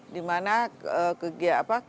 dimana kegiatan apa